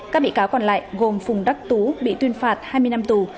các bị cáo còn lại gồm phùng đắc tú bị tuyên phạt hai mươi năm tù